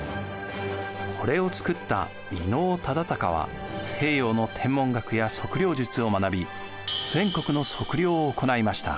これを作った伊能忠敬は西洋の天文学や測量術を学び全国の測量を行いました。